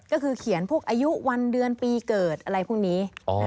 ก็คือเขียนพวกอายุวันเดือนปีเกิดอะไรพวกนี้